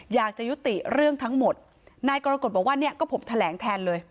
อยากจะยุติเรื่องทั้งหมดนายกรกฎบอกว่าเนี่ยก็ผมแถลงแทนเลย